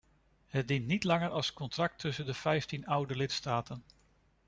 Het dient niet langer als contract tussen de vijftien oude lidstaten.